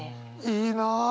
いいな。